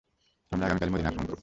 আমরা আগামী কালই মদীনা আক্রমণ করব।